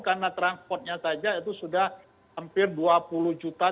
karena transportnya saja itu sudah hampir dua puluh juta